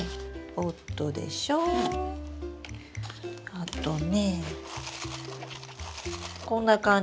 あとねこんな感じで。